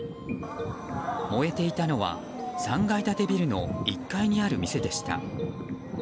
燃えていたのは３階建てビルの１階にある店でした。